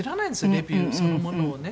レビューそのものをね。